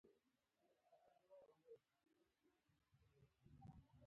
زما ملګری یو هوښیار زده کوونکی ده